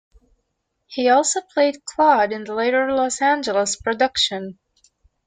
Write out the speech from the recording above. He also played Claude in the later Los Angeles production.